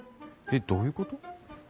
えっどういうこと？